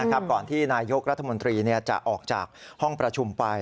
ก่อนที่นายกรัฐมนตรีจะออกจากห้องประชุมไป